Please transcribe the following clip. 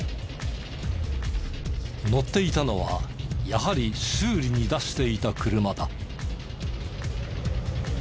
乗っていたのはやはり修理に出していた車だ。